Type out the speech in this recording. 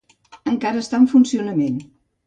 Encara està en funcionament.